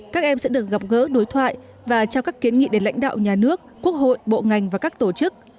các em sẽ được gặp gỡ đối thoại và trao các kiến nghị đến lãnh đạo nhà nước quốc hội bộ ngành và các tổ chức